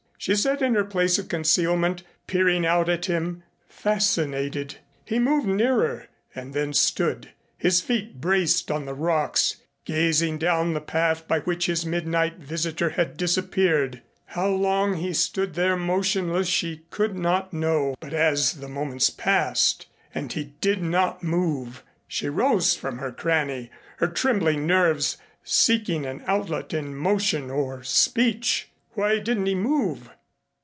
She sat in her place of concealment, peering out at him, fascinated. He moved nearer and then stood, his feet braced on the rocks, gazing down the path by which his midnight visitor had disappeared. How long he stood there motionless she could not know, but as the moments passed and he did not move, she rose from her cranny, her trembling nerves seeking an outlet in motion or speech. Why didn't he move?